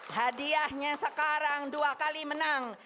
hadiahnya sekarang dua kali menang